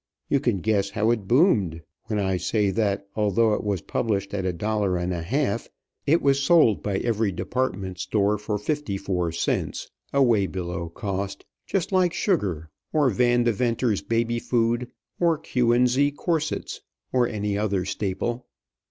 You can guess how it boomed when I say that, although it was published at a dollar and a half, it was sold by every department store for fifty four cents, away below cost, just like sugar, or Vandeventer's Baby Food, or Q & Z Corsets, or any other staple.